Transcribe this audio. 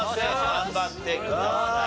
頑張ってください。